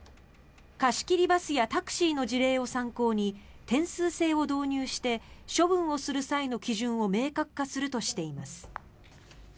貸し切りバスやタクシーの事例を参考に点数制を導入して処分をする際の基準を明確化するとしています。